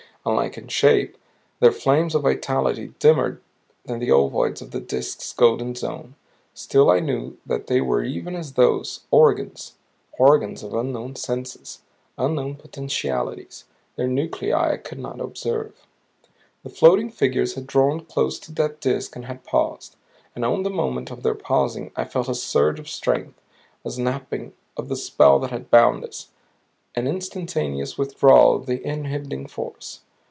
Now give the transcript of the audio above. Unlike in shape, their flame of vitality dimmer than the ovoids of the Disk's golden zone, still I knew that they were even as those ORGANS, organs of unknown senses, unknown potentialities. Their nuclei I could not observe. The floating figures had drawn close to that disk and had paused. And on the moment of their pausing I felt a surge of strength, a snapping of the spell that had bound us, an instantaneous withdrawal of the inhibiting force.